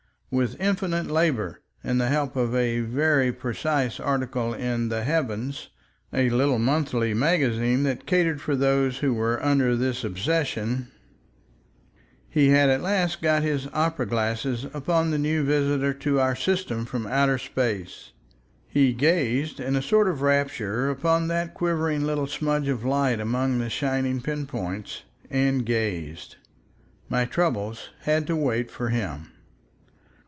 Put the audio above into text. With infinite labor and the help of a very precise article in The Heavens, a little monthly magazine that catered for those who were under this obsession, he had at last got his opera glass upon the new visitor to our system from outer space. He gazed in a sort of rapture upon that quivering little smudge of light among the shining pin points—and gazed. My troubles had to wait for him.